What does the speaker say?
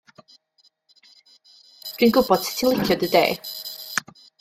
Dw i'n gwybod sut ti'n licio dy de.